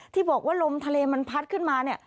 ที่บอกว่าลมทะเลมันพัดขึ้นมาเนี่ย